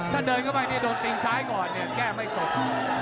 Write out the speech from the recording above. ถ้าเดินเข้าไปนี่โดนตีนซ้ายก่อนเนี่ยแก้ไม่ตก